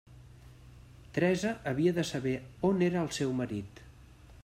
Teresa havia de saber on era el seu marit.